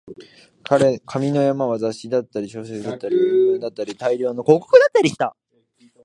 紙の山は雑誌だったり、小説だったり、新聞だったり、大量の広告だったりした